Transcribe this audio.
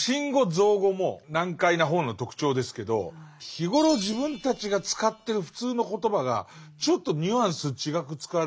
造語も難解な本の特徴ですけど日頃自分たちが使ってる普通の言葉がちょっとニュアンス違く使われてるのも難解になりますね。